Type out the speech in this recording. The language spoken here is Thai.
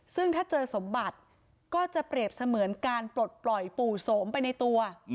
ซึ่งถ้าเจอสมบัติก็จะเปรียบเสมือนการปลดปล่อยปู่โสมไปในตัว